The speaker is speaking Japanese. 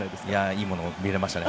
いいものを見れましたね。